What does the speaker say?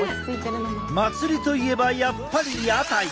祭りといえばやっぱり屋台。